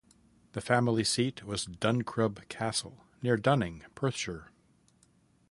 The family seat was Duncrub Castle, near Dunning, Perthshire.